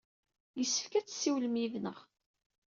Yessefk ad tessiwlem yid-neɣ.